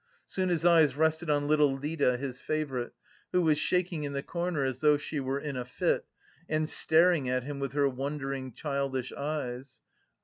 Soon his eyes rested on little Lida, his favourite, who was shaking in the corner, as though she were in a fit, and staring at him with her wondering childish eyes.